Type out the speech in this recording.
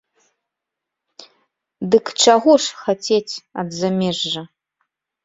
Дык чаго ж хацець ад замежжа?